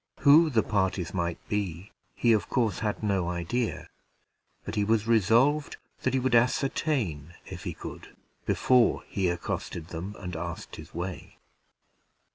Who the parties might be, he of course had no idea; but he was resolved that he would ascertain, if he could, before he accosted them and asked his way.